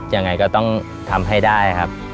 ยังไงก็ต้องทำให้ได้ครับ